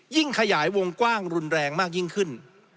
ขยายวงกว้างรุนแรงมากยิ่งขึ้น